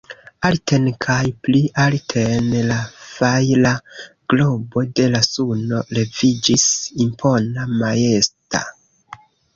Alten kaj pli alten la fajra globo de la suno leviĝis, impona, majesta.